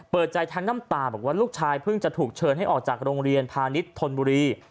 เปิดใจทั้งน้ำตาบอกว่าลูกชายเพิ่งจะถูกเชิญให้ออกจากโรงเรียนพาณิชย์ธนบุรี